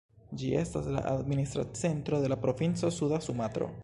Ĝi estas la administra centro de la provinco Suda Sumatro.